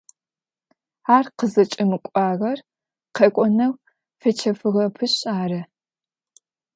Ар къызыкӏэмыкӏуагъэр къэкӏонэу фэчэфыгъэпышъ ары.